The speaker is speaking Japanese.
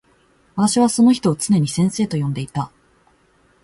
私はその人をつねに先生と呼んでいた。